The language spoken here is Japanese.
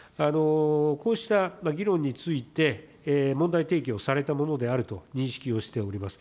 こうした議論について、問題提起をされたものであると認識をしております。